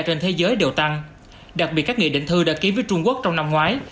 trên thế giới đều tăng đặc biệt các nghị định thư đã ký với trung quốc trong năm ngoái